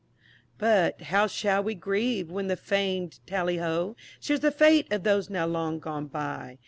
But, how shall we grieve, when the fam'd "Tally Ho," Shares the fate of those now long gone by?